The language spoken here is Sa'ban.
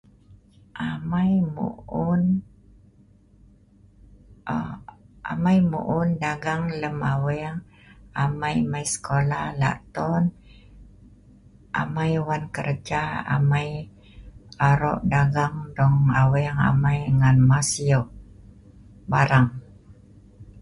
amei muun aaa amei muun dagang lem aweng amei mei sekolah lakton amei wan kerja amei arok dagang dong aweng amei ngan masiu barang.